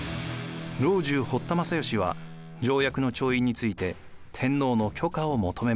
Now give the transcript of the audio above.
老中堀田正睦は条約の調印について天皇の許可を求めました。